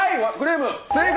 正解！